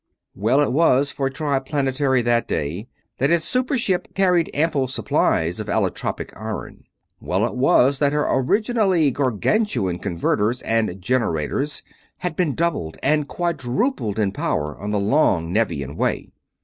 Well it was for Triplanetary that day that its super ship carried ample supplies of allotropic iron; well it was that her originally Gargantuan converters and generators had been doubled and quadrupled in power on the long Nevian way!